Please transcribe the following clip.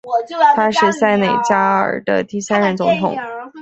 他是塞内加尔的第三任总统。